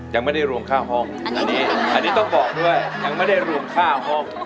ยังไม่ได้รวมค่าห้องอันนี้อันนี้ต้องบอกด้วยยังไม่ได้รวมค่าห้อง